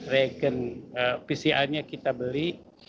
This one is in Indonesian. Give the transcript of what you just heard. regen pcrnya kita beli